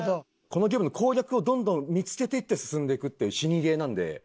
このゲームの攻略をどんどん見つけていって進んでいくっていう死にゲーなんで。